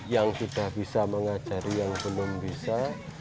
yang sudah bisa mengajari yang belum bisa